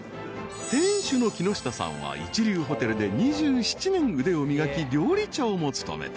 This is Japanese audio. ［店主の木下さんは一流ホテルで２７年腕を磨き料理長も務めた］